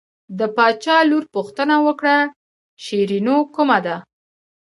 د باچا لور پوښتنه وکړه شیرینو کومه ده.